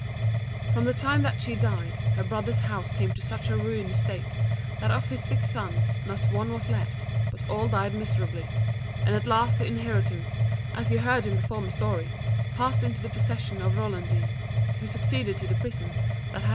From the time that she died, her brother's house came to such a ruinous state, that of his six sons not one was left, but all died miserably; (6) and at last the inheritance, as you heard in the former story, passed into the possession of Rolandine, who succeeded to the prison that had been built for her aunt.